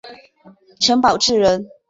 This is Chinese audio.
陈宝炽人。